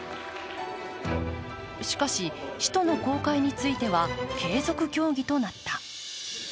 しかし、使途の公開については継続協議となった。